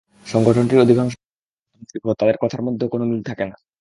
সংগঠনটির অধিকাংশ মুখপাত্র নির্বোধ, তাদের কথার মধ্যেও কোনো মিল থাকে না।